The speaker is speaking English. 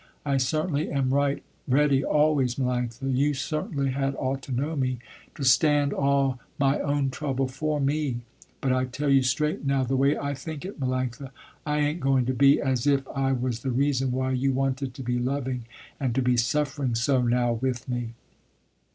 I certainly am right ready always, Melanctha, you certainly had ought to know me, to stand all my own trouble for me, but I tell you straight now, the way I think it Melanctha, I ain't going to be as if I was the reason why you wanted to be loving, and to be suffering so now with me."